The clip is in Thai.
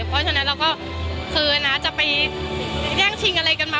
เพราะฉะนั้นเราก็คือนะจะไปแย่งชิงอะไรกันมา